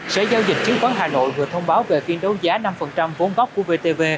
sở giao dịch chiếu quán hà nội vừa thông báo về phiên đấu giá năm vốn góp của vtv